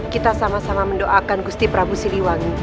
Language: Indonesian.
kita sama sama mendoakan gusti prabu siliwangi